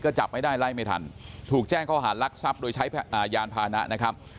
ก็จับไม่ได้ไล่ไม่ทันถูกแจ้งข้อหารลักทรัพย์โดยใช้ยานพานะนะครับ